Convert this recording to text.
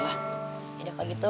yaudah kaya gitu